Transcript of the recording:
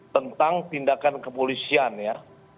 tentang tindakan kepolisian ya